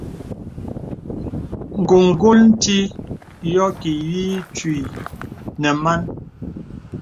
Ǹgùngùl nti yɔ ki yə̀ ǐ twi nə̀ man.